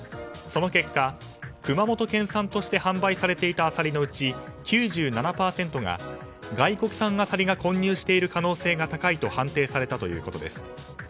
その結果、熊本県産として販売されていたアサリのうち９７％が外国産のアサリが混入している可能性が高いと判定されたということです。